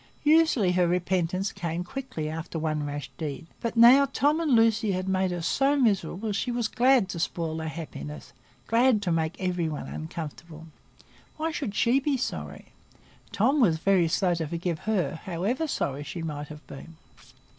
Usually her repentance came quickly after one rash deed, but now Tom and Lucy had made her so miserable, she was glad to spoil their happiness,—glad to make everybody uncomfortable. Why should she be sorry? Tom was very slow to forgive her, however sorry she might have been.